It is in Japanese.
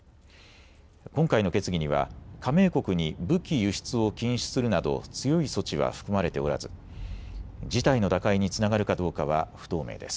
今回の決議には加盟国に武器輸出を禁止するなど強い措置は含まれておらず事態の打開につながるかどうかは不透明です。